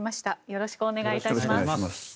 よろしくお願いします。